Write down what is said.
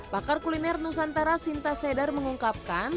pakar kuliner nusantara sinta sedhar mengungkapkan